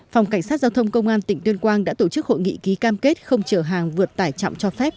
phòng cảnh sát giao thông công an tỉnh tuyên quang đã tổ chức hội nghị ký cam kết không chở hàng vượt tải trọng cho phép